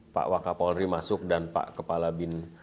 pak wakapolri masuk dan pak kepala bin